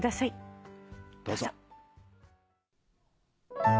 どうぞ。